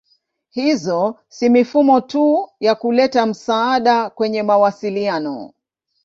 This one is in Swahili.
Hizo si mifumo tu ya kuleta msaada kwenye mawasiliano.